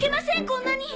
こんなに！